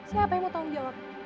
siapa yang mau tanggung jawab